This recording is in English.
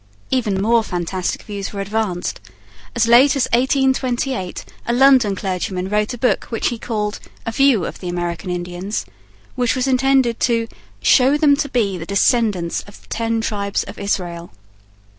Even more fantastic views were advanced. As late as in 1828 a London clergyman wrote a book which he called 'A View of the American Indians,' which was intended to 'show them to be the descendants of the ten tribes of Israel.'